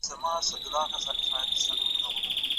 دا جملې د ثبتولو لپاره خورا ساده دي.